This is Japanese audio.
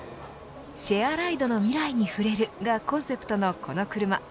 シェアライドのミライに触れるがコンセプトのこの車。